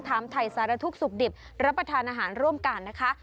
ถามถ่ายสารทุกข์สุขดิบรับประทานอาหารร่วมกันนะคะ